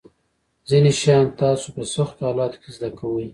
ځینې شیان تاسو په سختو حالاتو کې زده کوئ.